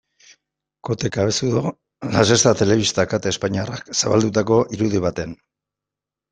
Kote Cabezudo, La Sexta telebista kate espainiarrak zabaldutako irudi batean.